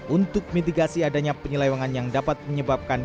untuk mitigasi adanya penyelewangan yang dapat menyebabkan